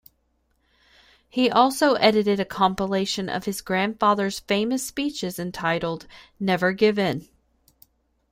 He also edited a compilation of his grandfather's famous speeches entitled "Never Give In".